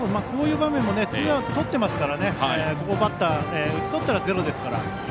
こういう場面もツーアウトをとっていますからこのバッターを打ち取ったら０ですから。